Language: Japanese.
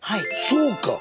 そうか！